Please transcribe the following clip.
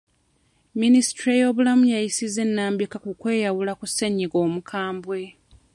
Minisitule y'ebyobulamu yayisizza ennambika ku kweyawula ku ssenyiga omukambwe.